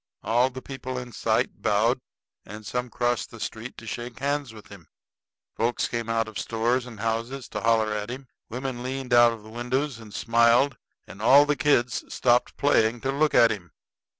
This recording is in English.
All the people in sight bowed, and some crossed the street to shake hands with him; folks came out of stores and houses to holler at him; women leaned out of windows and smiled; and all the kids stopped playing to look at him.